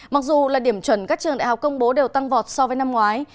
mặc dù là điểm chuẩn các trường đại học công bố đều tăng vọt so với năm ngoái